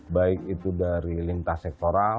baik itu dari lintas sektoral